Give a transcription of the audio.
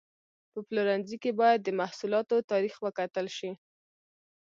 په پلورنځي کې باید د محصولاتو تاریخ وکتل شي.